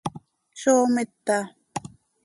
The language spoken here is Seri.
¿Zó mita?